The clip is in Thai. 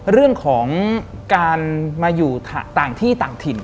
เรื่องของการมาอยู่ต่างที่ต่างถิ่น